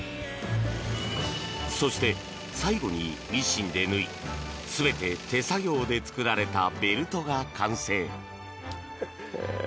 そして、最後にミシンで縫い全て手作業で作られたベルトが完成。